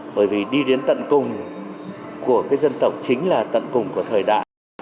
bởi vì đi đến tận cùng của cái dân tộc chính là tận cùng của thời đại